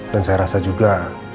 dan saya rasa juga